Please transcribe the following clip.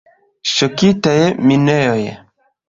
Ŝokitaj mienoj.